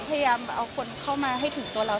พยายามเอาคนเข้ามาให้ถึงตัวเรา